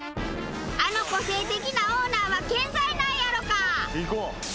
あの個性的なオーナーは健在なんやろうか？